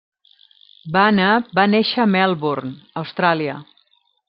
Bana va néixer a Melbourne, Austràlia.